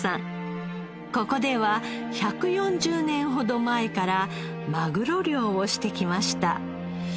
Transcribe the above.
ここでは１４０年ほど前からマグロ漁をしてきました。